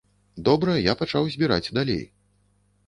Добра, я пачаў збіраць далей.